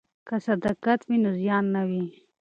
که صداقت وي نو زیان نه وي.